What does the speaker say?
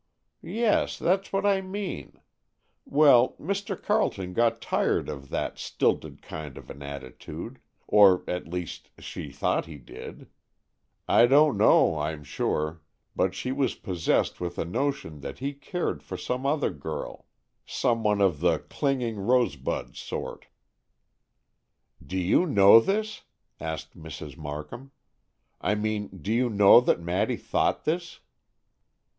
"Yes, that's what I mean. Well, Mr. Carleton got tired of that stilted kind of an attitude,—or, at least, she thought he did. I don't know, I'm sure, but she was possessed with a notion that he cared for some other girl,—some one of the clinging rosebud sort." "Do you know this?" asked Mrs. Markham; "I mean, do you know that Maddy thought this?"